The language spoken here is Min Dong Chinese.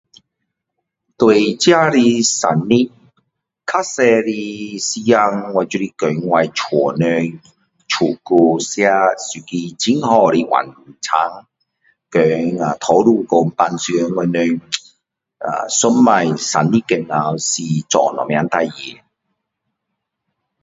对自己的生日，较多的流行就是跟我家人去吃一个很好的晚餐。跟多数讲我们平常，上次生日时候是做什么事情。